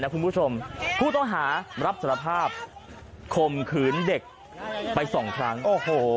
คุณผู้ชมผู้ต้องหารับสารภาพข่มขืนเด็กไปสองครั้งโอ้โห